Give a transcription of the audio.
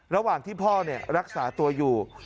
ระหว่างที่พ่อรักษาตัวอยู่